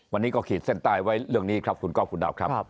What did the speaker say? วันนี้ก็ขีดเส้นใต้ไว้เรื่องนี้ครับคุณก้อคุณดาวครับ